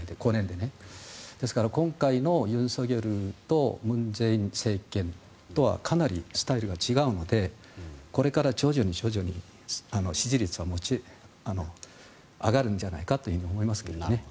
ですから今回の尹錫悦と文在寅政権とはかなりスタイルが違うのでこれから徐々に徐々に支持率は上がるんじゃないかと思いますけどね。